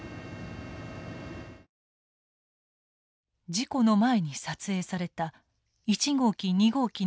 事故の前に撮影された１号機２号機の中央制御室。